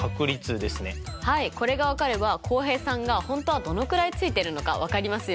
これが分かれば浩平さんが本当はどのくらいついてるのか分かりますよ。